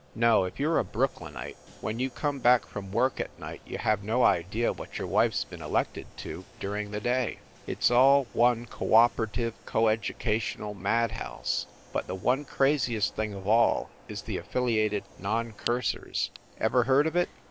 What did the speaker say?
No, if you re a Brooklynite, when you come back from work at night you have no idea what your wife s been elected to, during the day. It s all one co operative, co educational madhouse; but the one craziest thing of all is the Affiliated Non Cursers. Ever heard of it?